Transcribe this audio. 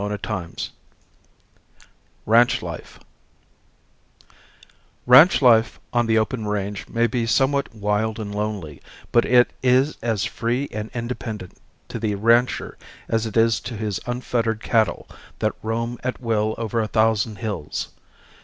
CHAPTER IV RANCH LIFE Ranch life on the open range may be somewhat wild and lonely, but it is as free and independent to the rancher as it is to his unfettered cattle that roam at will over a thousand hills.